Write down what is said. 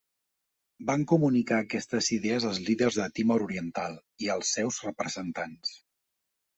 Van comunicar aquestes idees als líders de Timor Oriental i als seus representants.